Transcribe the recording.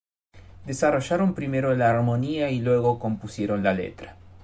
Desarrollaron primero la armonía y luego compusieron la letra.